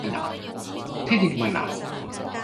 歡迎大家得閒入去俾啲意見